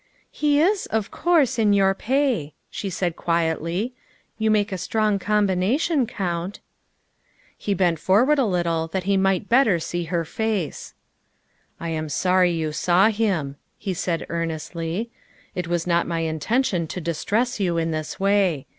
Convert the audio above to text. " He is, of course, in your pay," she said quietly. '' You make a strong combination, Count. '' He bent forward a little that he might better see her face. " I am sorry you saw him," he said earnestly. " It was not my intention to distress you in this way.